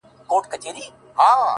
صبر وکړه لا دي زمانه راغلې نه ده؛